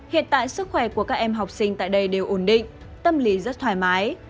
hiện tại sức khỏe của các em học sinh tại đây đều ổn định tâm lý rất thoải mái